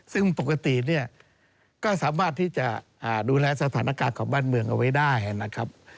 ซึ่งปกติเนี่ยก็สามารถที่จะดูแลสถานการณ์ของบ้านเมืองเอาไว้ได้นะครับ